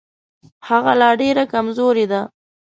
هغه لا ډېره کمزورې ده.